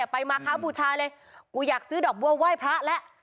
ไปมาค้าบูชาเลยกูอยากซื้อดอกบัวไหว้พระแล้ว